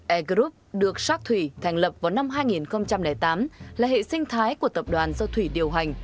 air group được shark thủy thành lập vào năm hai nghìn tám là hệ sinh thái của tập đoàn do thủy điều hành